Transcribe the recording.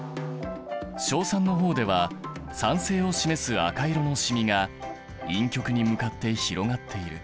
硝酸の方では酸性を示す赤色の染みが陰極に向かって広がっている。